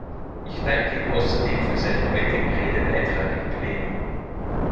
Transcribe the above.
Ich danke ihm außerdem für seinen heutigen Redebeitrag im Plenum.